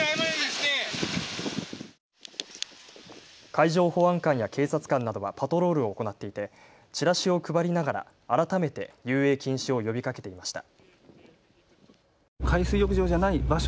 海上保安官や警察官などはパトロールを行っていてチラシを配りながら改めて遊泳禁止を呼びかけていました。